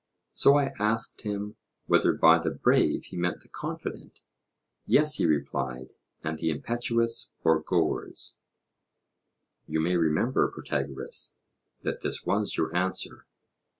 So I asked him whether by the brave he meant the confident. Yes, he replied, and the impetuous or goers. (You may remember, Protagoras, that this was your answer.)